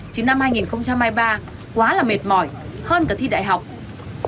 chứ năm hai nghìn hai mươi ba quá là mệt mỏi hơn cả thi đại học